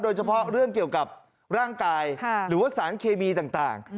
โดยเฉพาะเรื่องเกี่ยวกับร่างกายหรือว่าสารเคมีต่าง